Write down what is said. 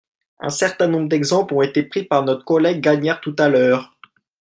Un certain nombre d’exemples ont été pris par notre collègue Gagnaire tout à l’heure.